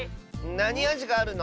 なにあじがあるの？